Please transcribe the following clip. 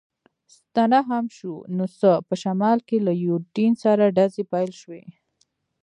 ستنه هم شو، نو څه، په شمال کې له یوډین سره ډزې پیل شوې.